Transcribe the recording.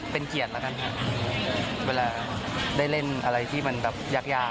เป็นเกียรติแล้วกันครับเวลาได้เล่นอะไรที่มันแบบยากยาก